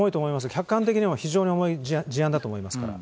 客観的にも非常に重い事案だと思いますから。